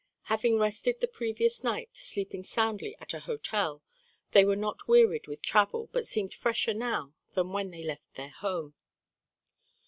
Having rested the previous night, sleeping soundly at a hotel, they were not wearied with travel but seemed fresher now than when they left their home.